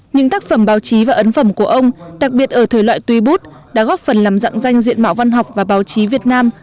những tác phẩm báo chí và ấn phẩm của ông đặc biệt ở thời loại tuy bút đã góp phần làm dạng danh diện mạo văn học và báo chí việt nam